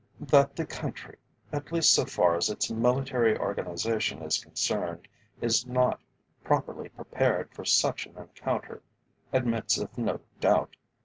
That the country, at least so far as its military organisation is concerned, is not properly prepared for such an encounter, admits of no doubt.